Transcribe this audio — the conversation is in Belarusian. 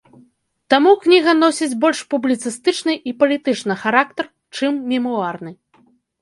Таму кніга носіць больш публіцыстычны і палітычны характар, чым мемуарны.